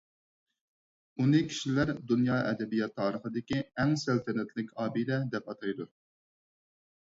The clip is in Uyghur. ئۇنى كىشىلەر دۇنيا ئەدەبىيات تارىخىدىكى «ئەڭ سەلتەنەتلىك ئابىدە» دەپ ئاتايدۇ.